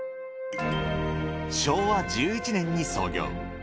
昭和１１年に創業。